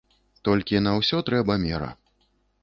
Толькі на ўсё трэба мера.